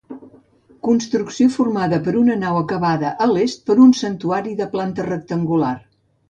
Construcció formada per una nau acabada a l'est per un santuari de planta rectangular.